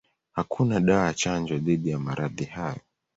Hakuna dawa ya chanjo dhidi ya maradhi hayo.